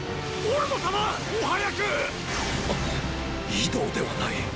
移動ではない！